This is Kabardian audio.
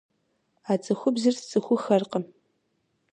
А цӀыхубзыр сцӀыхуххэркъым.